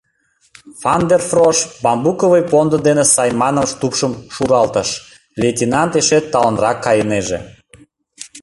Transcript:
Ван дер Фрош бамбуковый пондо дене Сайманын тупшым шуралтыш, — лейтенант эше талынрак кайынеже.